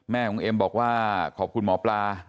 ของเอ็มบอกว่าขอบคุณหมอปลา